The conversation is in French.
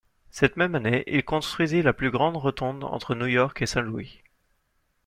Cette même année, il construisit la plus grande rotonde entre New York et Saint-Louis.